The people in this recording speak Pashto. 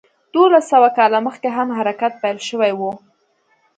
دولس سوه کاله مخکې هم حرکت پیل شوی و.